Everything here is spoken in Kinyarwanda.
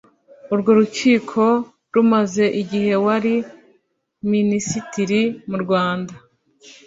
urwo rukiko rumaze igihe wari minisitiri mu rwanda